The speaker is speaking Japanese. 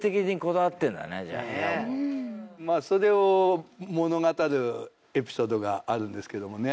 それを物語るエピソードがあるんですけど。